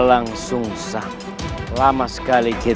rai saya akan menjaga kekayaanmu